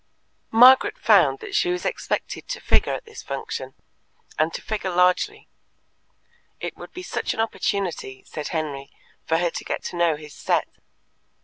Margaret found that she was expected to figure at this function, and to figure largely; it would be such an opportunity, said Henry, for her to get to know his set.